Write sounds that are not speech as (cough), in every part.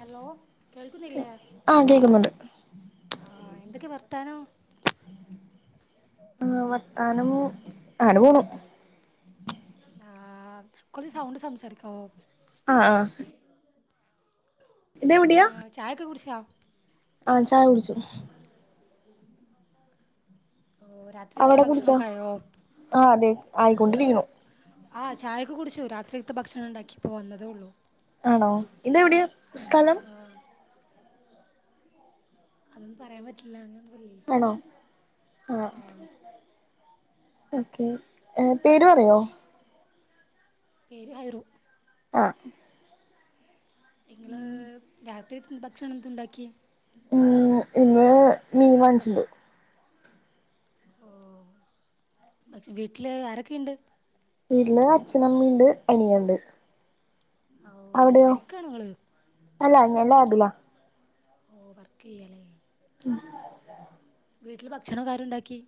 Hello കേൾക്കുന്നില്ലേ ആഹ് കേക്കുന്നുണ്ട് ആഹ് എന്തൊക്കെയാ വർത്താനം ആഹ് വർത്താനം അങ്ങനെ പോണു ആഹ് കൊറച്ച് സൗണ്ടിൽ സംസാരിക്കാവോ ആഹ് ആഹ് ഇതെവിടെയാ ചായൊക്കെ കുടിച്ച ആഹ് ചായ കുടിച്ചു ഓരാ അവിടെ കുടിച്ചോ ആഹ് അതെ ആയിക്കൊണ്ടിരിക്ണു ആഹ് ചായൊക്കെ കുടിച്ചു രാത്രിത്തെ ഭക്ഷണം ഉണ്ടാക്കി ഇപ്പോ വന്നതേ ഉള്ളൂ ആണോ ഇതെവിടെയാ സ്ഥലം ആഹ് അതൊന്നും പറയാൻ പറ്റില്ല അങ്ങനൊന്നല്ലേ ആണോ ആഹ് ഓക്കേ എഹ് പേര് പറയോ പേര് ഹയറു ആഹ് നിങ്ങള് രാത്രിത്തെ ഭക്ഷണം എന്തുണ്ടാക്കിയെ ഉം ഇന്ന് മീമാങ്ങിച്ചിണ്ട് ഓഹ് പക്ഷെ വീട്ടില് ആരൊക്കെയുണ്ട് വീട്ടില് അച്ഛനമ്മിണ്ട് അനിയനുണ്ട് ഓ അവിടെയോ പഠിക്കുകയാണ് നിങ്ങൾ അല്ല ലാബില പ്പോ വർക്ക്യ്യലേ വീട്ടില് ഭക്ഷണൊക്കെ ആര്ണ്ടാക്കി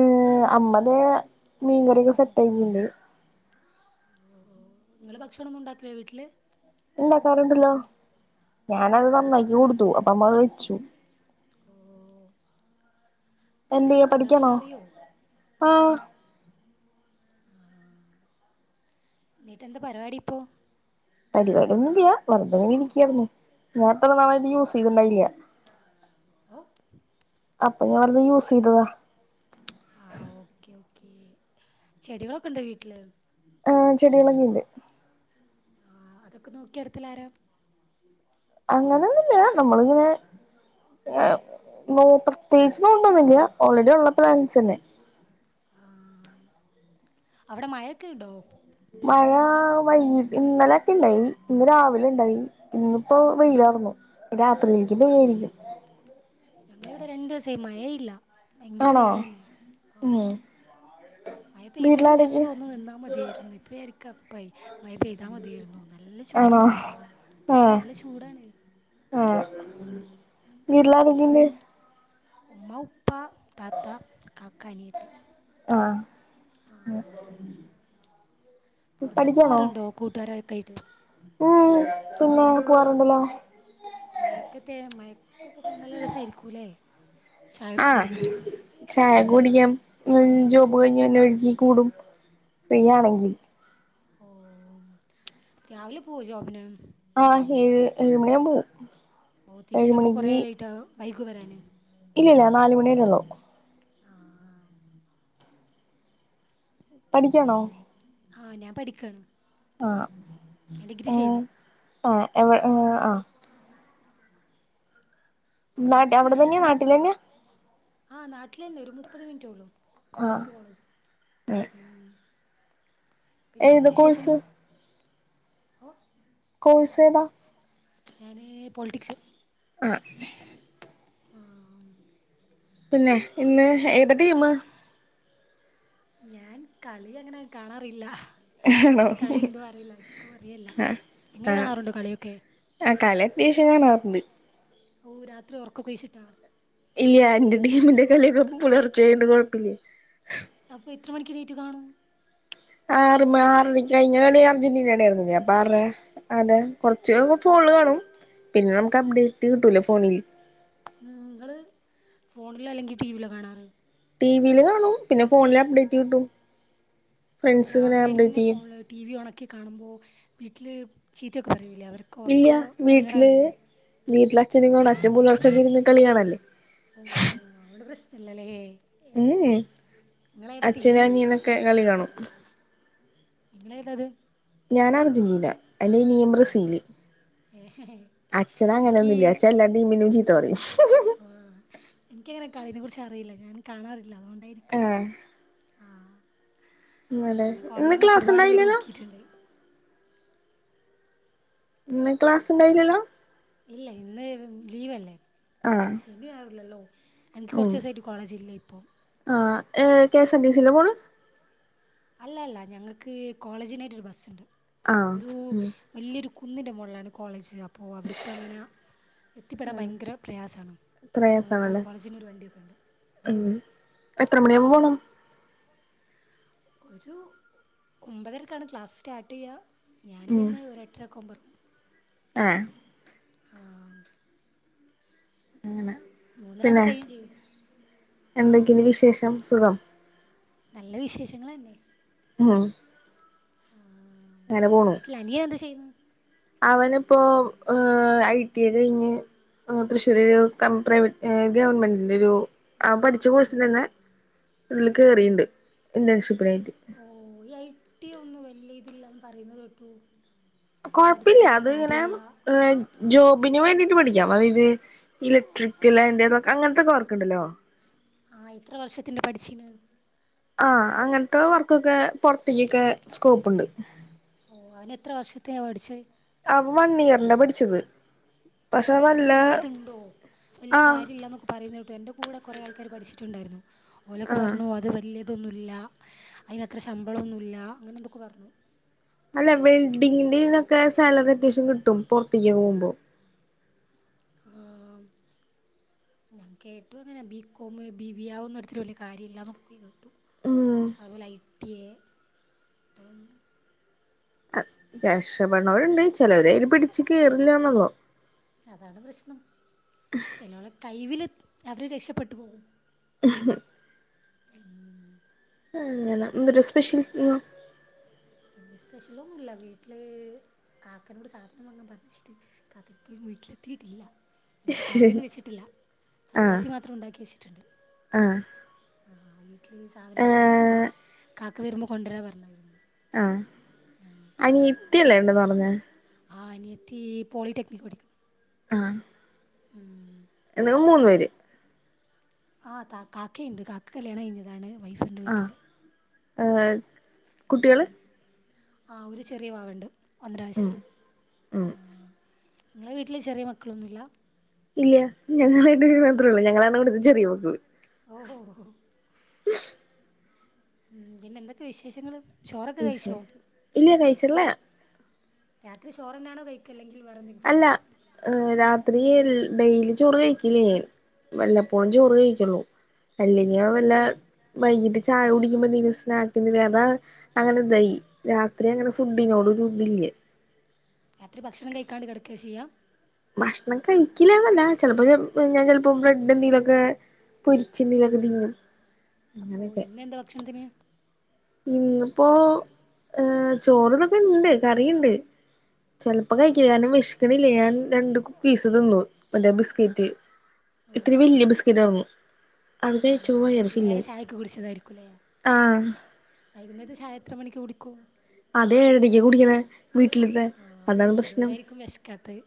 ഏഹ് അമ്മ തെ മീൻകറിയൊക്കെ സെറ്റ് ആക്കിണ്ട് നിങ്ങള് ഭക്ഷണ ഒന്നുണ്ടാക്കില്ലേ വീട്ടില് ഉണ്ടാക്കാറുണ്ടല്ലോ ഞാനത് ആ നന്നാക്കി കൊടുത്തു അപ്പ അമ്മ അത് വെച്ചു ഓഹ് എന്തെയ്യാ ഭക്ഷണൊക്കെ ഉണ്ടാക്കാൻ പഠിക്കാണോ അറിയോ ആഹ് ആഹ് എന്നിട്ടെന്താ പരിപാടിയിപ്പോ പരിപാടി ഒന്നുല്ല്യ വെറുതെങ്ങനെ ഇരിക്കായിരുന്നു ഞാൻ അത്ര നാളത് യൂസ്യ്തിണ്ടായില്ല ഓഹ് അപ്പൊ ഞാൻ വെറുതെ യൂസ്യ്തതാ ആഹ് ഓക്കേ ഓക്കേ ചെടികളൊക്കെണ്ടോ വീട്ടില് ആഹ് ചെടികളൊക്കെണ്ട് ആഹ് അതൊക്കെ നോക്കിട്ത്തല് ആരാ അങ്ങനൊന്നുല്ല നമ്മളിങ്ങനെ ഓഹ് പ്രത്യേകിച്ച് നോമ്പൊന്നില്ല ഓൾറെഡി ഉള്ള പ്ലാൻസ് തന്നെ ആഹ് അവിടെ മയൊക്കെ ഉണ്ടോ മഴ വൈയിട്ട് ഇന്നലെക്കെണ്ടായി ഇന്ന് രാവിലെണ്ടായി ഇന്നിപ്പോ വെയിലാർന്നു രാത്രിയിലേക്ക് ഓ ഓ പെയായിരിക്കും ഞങ്ങളിവിടെ രണ്ടുസായി മഴയെയില്ല ആണോ ഉം മയ പെയിതെരം വിചാരിച്ചു വീട്ടിലാരൊക്കെ ഒന്ന് നിന്നാമതിയായിരുന്നു ഇപ്പ ജാരിക്ക പ്പൈ മയ പെയ്താ മതിയായിരുന്നു നല്ല ആണോ ചൂടുണ്ട് ആഹ് നല്ല ചൂടാണ് ആഹ് ബിർളാതെ തിന്ന് ഉമ്മ ഉപ്പ താത്ത കാക്ക അനിയത്തി ആഹ് ആ ഉം പുറത്തൊക്കെ പോവാറുണ്ടോ കൂട്ടുകാരാക്കെയിട്ട് ഓഹ് പിന്നെ പോവാറുണ്ടല്ലോ മഴക്കക്കെ മഴക്കൊക്കെ പോവാൻ നല്ല രസായിരിക്കുല്ലേ ആഹ് ചായ കുടിക്കാം ഉം ജോബ് കഴിഞ്ഞ് വെര്ണ വഴിക്കിക്കൂടും ഫ്രീയാണങ്കി ഓഹ് രാവിലെ പോവോ ജോബ്ന്? ആഹ് ഏഴ് ഏഴു മണിയാമ്പോവും ഓഹ് തിരിച്ചപ്പോ കൊറേ ലേറ്റാവും ബൈക്ക് വരാന് ഇല്ലല്ല നാല് മണിവരേള്ളു ആ പഠിക്ക്യാണോ? ആഹ് ഞാൻ പഠിക്കാണ് ആഹ് ഞാൻ ഡിഗ്രി ചെയ്യ്ന്നു ഏഹ് എവ് ഏഹ് ആഹ് നാട്ട് പിന്നെന്തെക്കെ അവിടെ തന്നെയാ വിശേഷങ്ങള്? നാട്ടിൽ തന്നെയാ ആഹ് നാട്ട്ലന്നെ ഒരു മുപ്പത് മിന്റോള്ളു ഇവടെ ആഹ് അട്ത്ത് കോളേജ് ഉം ഏത് പിന്നെക്കെ കോഴ്സ് വിശേഷങ്ങള് ഓഹ് കോഴ്സേതാ ഞാന് പൊളിറ്റിക്സ് ആഹ് ആഹ് പിന്നെ ഇന്ന് ഏത് ടീമ്? ഞാൻ കളി അങ്ങനെ കാണാറില്ല ആണോ ഇൻക്ക് കളിന്തോ അറിയില്ല ഇന്ക്ക് പറയേല്ലാ ആഹ് ഇങ്ങള് ആഹ് കാണാറുണ്ടോ കളിയെക്കെ? ആഹ് കളി (unintelligible) കാണാറുണ്ട് ഓഹ് രാത്രി ഒറക്കൊക്കൊഴിച്ചിട്ടോ ഇല്ല്യ ഇന്റെ ടീമിന്റെ കളിയൊക്കെ പുലർച്ചെ ആയോണ്ട് കൊഴപ്പല്ല്യാ അപ്പൊ എത്ര മണിക്ക് എണീറ്റ് കാണും? ആറ്മ ആറണി കഴിഞ്ഞാണ് അർജന്റീനണ്ടായിരുന്നില്ലേ അപ്പ ആറരെ അതെ കുറച്ച്യൊക്കെ ഫോണ്ല് കാണും പിന്നെ ഞമുക്ക് അപ്ഡേറ്റ് കിട്ടൂലേ ഫോണ്ല് ഉം ഇങ്ങള് ഫോണ്ലോ അല്ലെങ്കി ടീവിലോ കാണാറ്? ടീവീല് കാണും പിന്നെ ഫോണ്ല് അപ്ഡേറ്റ് കിട്ടും ഫ്രണ്ട്സ്ങ്ങനെ അപ്ഡേറ്റെയ്യും ടീവി ഒണാക്കി കാണുമ്പോ വീട്ട്ല് ചീത്തയൊക്കെ പറയൂലേ അവര് ഇല്ല്യ വീട്ട്ല് വീട്ട്ലച്ഛനും കാണും അച്ഛൻ പുലർച്ചൊക്കെ ഇരുന്ന് കളിയാണല്ലേ ഉം അവ്ടെ പ്രശ്നല്ലല്ലേ ഉം ഏഹ് നിങ്ങളേതാ അച്ഛനും ടീമ് അനിയനൊക്കെ കളികാണും ഇങ്ങളേതാത്? ഞാന് അർജന്റീന എന്റെ അനിയൻ ഓ ബ്രസീല് ഏഹ് എനിക്ക് അച്ഛനങ്ങനൊന്നുല്ല അച്ഛൻ എല്ലാ ടീംമിനും ചീത്തപറിയും ഓഹ് എനിക്കങ്ങനെ കളിനെ കുറിച്ചറിയില്ല ഞാൻ കാണാറില്ല അതുകൊണ്ടായി ആഹ് ആഹ് അതെ എന്നെ ഇന്ന് കോളേജ്ന്നൊക്കെ ക്ലാസ് ഒരുപാട്പ്പേര് ഉണ്ടായില്ലല്ലോ ഊക്കിയിട്ട്ണ്ട് ഇന്ന് ക്ലാസ്സ് ഇണ്ടായ്യില്ലല്ലോ? ഇല്ല ഇന്ന് ഉം ലീവല്ലെ ആഹ് (unintelligible) എൻക്ക് ഉം കൊറ്ച്ചോസ്സായിട്ട് കോളേജില്ലയിപ്പം ആഹ് ഏഹ് കെ എസ് ആർ ടി സീല്ലാ പോണേ അല്ല അല്ല ഞങ്ങക്ക് കോളേജിനായിട്ട് ഒരു ബസ്സ്ണ്ട് ആഹ് ഒരു ഉം വെല്യൊരു കുന്നിൻ്റെ മോൾലാണ് കോളേജ് അപ്പോ അവ്ടുക്കങ്ങന എത്തിപ്പെടാൻ ആഹ് ഭയങ്കര പ്രയാസാണ് അപ്പോ ഞങ്ങക്ക് പ്രയാസാണല്ലേ കോളേജിന് ഒരു വണ്ടിയൊക്കെ ഉണ്ട് ഉം ആഹ് എത്ര മണിയാവുമ്പോ പോണം? ഒരു ഒമ്പതരക്കാണ് ക്ലാസ്സ് സ്റ്റാർട്ടെയ്യാ ഞാന് വിടുന്ന് ഒരെട്ടരക്കാവുമ്പെറങ്ങും ഏഹ് ആഹ് അങ്ങനെ പിന്നെ എന്തെക്കെണ്ട് വിശേഷം സുഖം നല്ല വിശേഷങ്ങളെന്നെ ഉം ആഹ് വീട്ടിൽ അനിയനെന്താ ചെയ്യ്ന്നേ അവന്പ്പൊം ഐ ടി ഐ കഴിഞ്ഞ് ആഹ് തൃശ്ശൂര് ഒരു കം പ്രൈവറ്റ് ഗവൺമെന്റിന്റെ ഒരു ആ പഠിച്ച കോഴ്സിന്റെന്നെ ഇതില് കേറീണ്ട് ഇന്റേൺഷിപ്പിനായിട്ട് ഓഹ് ഈ ഐ ടി ഐ ഒന്നും വല്യ ഇതില്ലാന്ന് പറയുന്ന കേട്ടൂ കൊഴപ്പില്ല അത് ഇങ്ങനെ ഏഹ് ജോബിന് വേണ്ടിട്ട് പഠിക്കാം അതായത് ഇലക്ട്രിക്കല് അതിന്റേതൊക്കെ അങ്ങനത്തെക്കെ വർക്കുണ്ടല്ലോ ആഹ് എത്ര വർഷത്തിന്റെ പഠിച്ചീന് ആഹ് അങ്ങൻത്തെ വർക്കൊക്കെ പൊർത്ത്ക്കൊക്കെ സ്കോപ്പ്ണ്ട് ഓഹ് അവന് എത്ര വർഷത്തേ പഠിച്ചേ അവൻ വൺ ഇയറിന്റ പഠിച്ചത് പക്ഷെ ഓഹ് അതിന് നല്ല വല്യ ഇത്ണ്ടോ വല്യ ആഹ് കാര്യല്ലാന്നൊക്കെ പറയുന്ന കേട്ടു എൻ്റെ കൂടെ കൊറേ ആൾക്കാർ പഠിച്ചിട്ടുണ്ടായിരുന്നു ഓലൊക്കെ ആഹ് പറഞ്ഞു അത് വല്യ ഇതൊന്നുല്ല അയ്നത്ര ശമ്പളൊന്നുല്ല അങ്ങനെ എന്തൊക്കൊ പറഞ്ഞു അല്ല വെൽഡിങ്ങിന്റെ ഇതിനൊക്കെ സാലറി അത്യാവശ്യം കിട്ടും പൊർത്തേക്ക് പോവുമ്പം ആ (inaudible) ഞാൻ കേട്ടു അങ്ങനെ B com B B A അതൊന്നും എട്ത്ത്ട്ട് വലിയ കാര്യല്ല ന്നൊക്കെ കേ ട്ടു ഉം അതുപോലെ ഐ ടി എ അപ്പം രക്ഷപ്പെട്ണോല്ണ്ട് ചെലവരൽ അയില് പിടിച്ച് കേറില്ല എന്നുള്ളൂ അതാണ് പ്രശ്നം ചെലോലെ കൈവില് അവര് രക്ഷപ്പെട്ടു പോകും ആ (unintelligible) ഉം ആഹ് അങ്ങനെ എന്തുട്ടാ സ്പെഷ്യൽ ഇന്ന് ഇന്ന് സ്പെഷ്യലൊന്നുല്ല വീട്ടില് കാക്കനോട് സാധനം വാങ്ങാൻ പറഞ്ഞെയ്ച്ചിട്ട് കാക്ക ഇപ്പഴും വീട്ടിലെത്തിട്ടില്ല എന്നിട്ട് കറിയൊന്നും വെച്ചിട്ടില്ല ആഹ് ചപ്പാത്തി മാത്രം ഉണ്ടാക്കി വെച്ചിട്ടുണ്ട് ആഹ് ആഹ് വീട്ടില് സാധനൊക്കെ കഴിഞ്ഞപ്പോ ആഹ് കാക്ക വരുമ്പോ കൊണ്ടരാ പറഞ്ഞായിരുന്നു ആഹ് ആ അനിയത്തി അല്ലേ ഉണ്ടെന്ന് പറഞ്ഞേ ആഹ് അനിയത്തി പോളിടെക്നിക് പഠിക്ക ആഹ് ഉം ഞങ്ങള് മൂന്നു പേര് ആഹ് താ കാക്കയ്ണ്ട് കാക്ക കല്യാണം കഴിഞ്ഞതാണ് വൈഫ്ണ്ട് ആഹ് വീട്ടില് ഏഹ് കുട്ടികള് ആഹ് ഒരു ചെറിയ വാവണ്ട്. ഒന്നര വയ ഉം സ്സ്ള്ള ഉം ആ ഇങ്ങളെ വീട്ടില് ചെറിയ മക്കളൊന്നും ഇല്ലാ ഇല്ല ഞങ്ങളായിട്ട് മാത്രേ ഉള്ളൂ. ഞങ്ങളാണ് ഇവിടുത്തെ ചെറിയ മക്കള് ഓഹോ ഉം പിന്നെ എന്തൊക്കെ വിശേഷങ്ങള് ചോറൊക്കെ കഴിച്ചോ? വിശേഷം ഇല്ല കഴിച്ചില്ല രാത്രി ചോറന്നാണോ കഴിക്ക അല്ലെങ്കിൽ വേറെന്തെ അല്ല രാത്രി ഡെയ്ലി ചോറ് കഴിക്കില്ല ഞാൻ വല്ലപ്പോഴും ചോറ് കഴിക്കുള്ളൂ അല്ലെങ്കി ഞാ വല്ല അതെന്തേ വൈകിട്ട് ചായ കുടിക്കുമ്പോ ന്തേലും സ്നാക്ക്ന്നിലെ അതാ അങ്ങനെ തെയി രാത്രി അങ്ങനെ ഓ ഫുഡിനോട് ഒരു തില്ലാ രാത്രി ഭക്ഷണം കഴിക്കാണ്ട് കിടക്കേ ചെയ്യാ ഭക്ഷണം കഴിക്കില്ലാന്നല്ല. ചെലപ്പോ ഞാൻ ഞാൻ ചെലപ്പോ ബ്രെഡെന്തേലുംക്കെ പൊര്ച്ച് എന്തെലൊക്കെ തിന്നും അപ്പോ ഇന്നെന്താ ഭക്ഷണത്തിന് ഇന്ന്പ്പോ ചോറന്നൊക്കെ ഇണ്ട് കറിണ്ട് ചെലപ്പോ ഓ കഴിക്കില്ല കാരണം വെശ്ക്കണില്ലേ. ഞാൻ രണ്ട് കുക്കീസ് തിന്നു മറ്റേ ബിസകേറ്റ് ഓ ഇത്ര വല്ല്യ ബിസ്കറ്റാർന്നു അത് ഓ വയറ് വൈകുന്നേരം ഫില്ലായി ചായക്ക കുടിച്ചതായിരിക്കുംല്ലേ. ആഹ് വൈകുന്നേരത്തെ ചായ എത്ര മണിക്ക് കുടിക്കും? അതെ ഏഴരക്ക് കുടിക്കണെ വീട്ടിലത്തെ ആ അതാണ് പ്രശ്നം അതുകൊണ്ടായിരിക്കും വിശക്കാത്തത്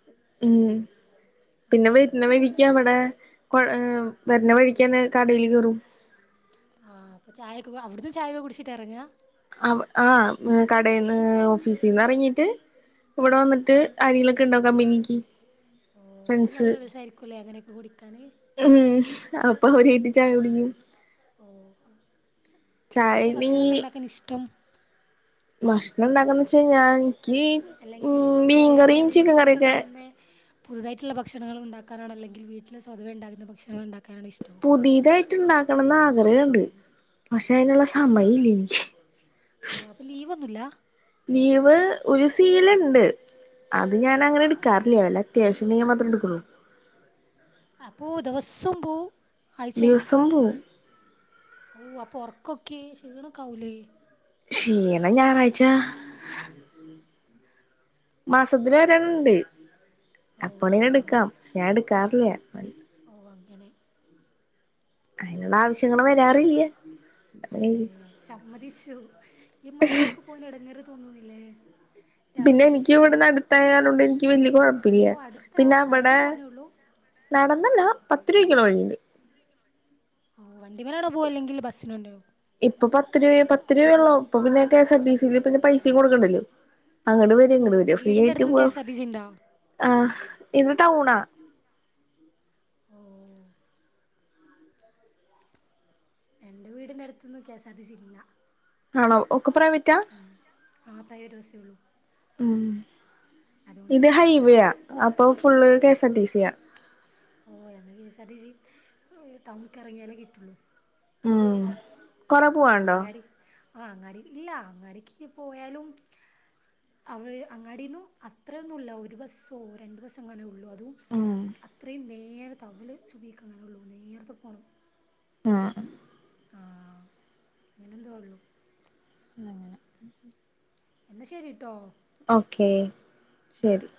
ഉം പിന്നെ ആ വര്ന്ന വഴിക്ക് അവിടെ ഏ വര്ന്ന വഴിക്കന്നെ കടേല് കേറും ആഹ് അപ്പൊ ചായക്കെ അവിടുന്ന് ചായക്കെ കുടിച്ചിട്ടാ എറങ്ങാ ആഹ് കടേന്ന് ഓഫീസിന്നെറങ്ങീട്ട് ഇവിടെ വന്നിട്ട് ആരെങ്കിലൊക്കെണ്ടാ കമ്പനിക്ക് ഓ അപ്പൊ ഫ്രണ്ട്സ് നല്ല രസായിരിക്കുംല്ലേ അങ്ങനെയൊക്കെ കുടിക്കാന് ഉം അപ്പൊ അവരായ്ട്ട് ചായ കുടിക്കും. ഓഹ് ചായ എന്താ നീ ഭക്ഷണൊക്കെ ഇണ്ടാക്കാനിഷ്ടം. ഭക്ഷണം ഇണ്ടാകാന്ന് വെച്ച ഞാ എൻക്ക് ഉം മീൻ കറിയും ചിക്കൻ കറിയൊക്കെ ന്നേ പുതുതായിട്ട്ള്ള ഭക്ഷണങ്ങള് ഉണ്ടാക്കാനണ അല്ലെങ്കി വീട്ടില് സ്വതവെ ഇണ്ടാക്കുന്ന ഭക്ഷണങ്ങൾ ഇണ്ടാക്കാനാണ് ഇഷ്ടം. പുതീതായിട്ട് ഇണ്ടാക്കണംന്ന് ആഗ്രഹണ്ട്. പക്ഷെ അതിനുള്ള സമയം ഇല്ല എനിക്ക് ഓഹ് അപ്പൊ ലീവ് ഒന്നുല്ല? ലീവ് ഒരു സീല്ണ്ട് അത് ഞാനങ്ങനെ ഇട്ക്കാറില്ല. വല്ല്യ അത്യാവശ്യണ്ടങ്കി മാത്രം ഇട്ക്കുള്ളു. അപ്പോ ദെവസ്സം പോവും ആയ്ച്ചേല് ദിവസം പോവും ഓഹ് അപ്പൊ ഒർക്കൊക്കെ ശീണൊക്കാവൂലേ ക്ഷീണം ഞായറാഴ്ച മാസത്തില് ഒരെണ്ണണ്ട്. ഓ അപ്പ (unintelligible) എടുക്കാം അങ്ങനെ ഞാൻ എടുക്കാറില്ല. ഓ അങ്ങനെ അയ്ന്ള്ള ആവശ്യങ്ങള് വരാറില്ല. ഏഹ് സമ്മതിച്ചു ഈ മയത്തൊക്കെ പോല എടങ്ങേറ് തോന്നുന്നില്ലേ രാവിലെ പിന്നെ എനിക്ക് എണീറ്റിട്ട് ഇവിടെ നടുത്തായാലോണ്ട് എനിക്ക് വല്യ കൊഴപ്പില്ല ഓ അടുത്താ പിന്നെ അവടെ നടന്നു പോകാനേ ഉള്ളൂ നടന്നല്ലാ പത്ത് രൂപക്ക്ള്ള വഴിയുണ്ട് ഓഹ് വണ്ടിമ്മലാണോ പോവ അല്ലെങ്കിൽ ബസ്സ് (unintelligible) ഇപ്പൊ പത്ത് രൂപ പത്ത് രൂപയ ഉള്ളോ ഇപ്പൊ പിന്നെ കെ എസ്ആർ ടിസിൽ പിന്നെ പൈസയും കൊടുക്കണ്ടല്ലോ അങ്ങോട് ഓ വരുംഇങ്ങോട് വ ഇപ്പം രുംഫ്രീ വീടിൻ്റെ ആയിട്ട് അടുത്തുനിന്ന് കെ പോവാം എസ് ആർ ടി സി ഉണ്ടോ ആ ഇത് ടൗണാ ഓ എന്റെ വീടിന്റെറ അടുത്തന്നും K S R T C ഇല്ല ആണോ ഒക്കെ പ്രൈ - ആഹ് പ്രൈവറ്റ് ബസേ ഉള്ളൂ ഉം അതുകൊണ്ട് ഇത് ഞങ്ങൾക്ക് ഹൈവേ ആ അപ്പൊ ഫുള് കെഎസ്ആർ ടി സി യ ഓ എന്നക്ക് എസ് ആർടി സി ടൗണക്ക് ഉറങ്ങിയാലേ കിട്ടുള്ളൂ ഉം കൊറെ പോവാണ്ടോ അങ്ങാടി ആ അങ്ങാടി ഇല്ല അങ്ങാടിക്ക് പോയാലും അവ അങ്ങാടന്നും അത്രയൊന്നുമല്ല ഒരു ബസ്സോ രണ്ട ബസ്സ അങ്ങനെ ഉള്ളൂ അതും ഉം അത്രയും നേരെ ത അവൽ ചുഭിക്ക അങ്ങനെ ഉള്ളൂ നേരത്തെ പോണം ആഹ് ആഹ് അങ്ങനെന്തോ ഉള്ളു അങ്ങനെ എന്നാ ശരിട്ടോ ഓക്കെ ശരി